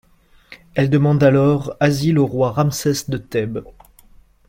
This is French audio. Elle demande alors asile au roi Ramsès de Thèbes.